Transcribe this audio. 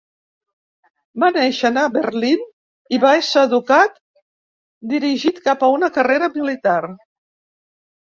Va néixer a Berlín, i va ser educat dirigit cap a una carrera militar.